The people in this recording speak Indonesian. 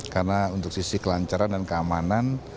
karena untuk sisi kelancaran dan keamanan